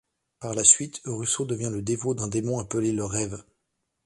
Par la suite, Russo devient le dévot d'un démon appelé le Rév.